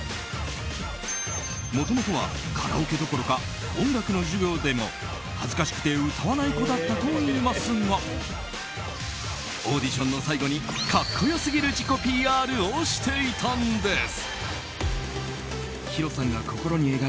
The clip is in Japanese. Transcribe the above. もともとはカラオケどころか音楽の授業でも恥ずかしくて歌わない子だったといいますがオーディションの最後に格好良すぎる自己ＰＲをしていたんです。